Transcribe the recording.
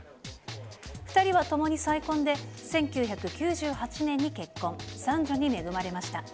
２人はともに再婚で、１９９８年に結婚、３児に恵まれました。